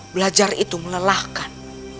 belajar itu melelahkan